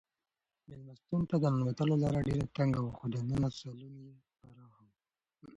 مېلمستون ته د ننوتلو لاره ډېره تنګه وه خو دننه سالون یې پراخه و.